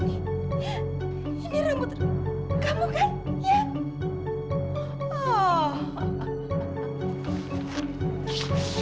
ini rambut kamu kan